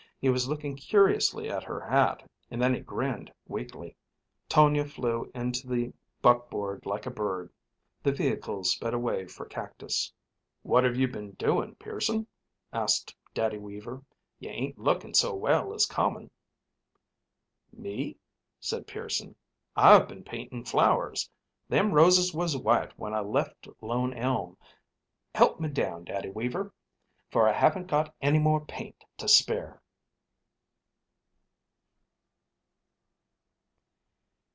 He was looking curiously at her hat, and then he grinned weakly. Tonia flew into the buckboard like a bird. The vehicles sped away for Cactus. "What have you been doing, Pearson?" asked Daddy Weaver. "You ain't looking so well as common." "Me?" said Pearson. "I've been painting flowers. Them roses was white when I left Lone Elm. Help me down, Daddy Weaver, for I haven't got any more paint to spare."